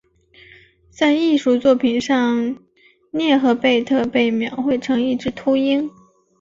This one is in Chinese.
在艺术作品上涅赫贝特被描绘成一只秃鹰。